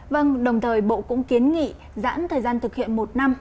vâng đồng thời bộ cũng kiến nghị giãn thời gian thực hiện một năm